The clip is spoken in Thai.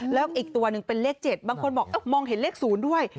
แล้วอีกตัวหนึ่งเป็นเลขเจ็ดบางคนบอกเอ๊ะมองเห็นเลขศูนย์ด้วย